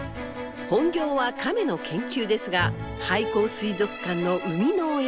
本業はカメの研究ですが廃校水族館の生みの親。